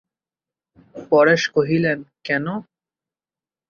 পরেশ কহিলেন, কেন?